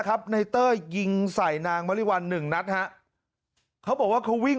ครับในเต้ยยิงใส่นางมริวัลหนึ่งนัดฮะเขาบอกว่าเขาวิ่ง